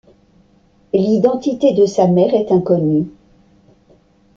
L'identité de sa mère est inconnue.